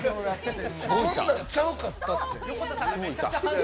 こんなんちゃうかったって。